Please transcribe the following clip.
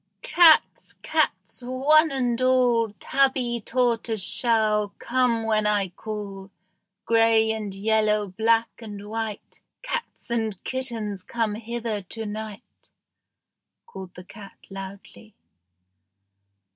"Cats, cats, one and all, Tabby, tortoise shell, come when I call, Gray and yellow, black and white Cats and kittens, come hither to night." called the cat loudly.